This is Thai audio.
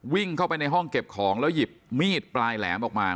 วิ่งเข้าไปในห้องเก็บของแล้วหยิบมีดปลายแหลมออกมา